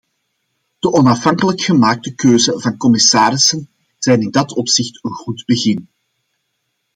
De onafhankelijk gemaakte keuzen van commissarissen zijn in dat opzicht een goed begin.